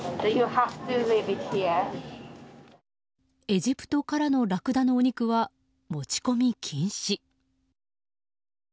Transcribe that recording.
エジプトからのラクダのお肉は持ち込み禁止。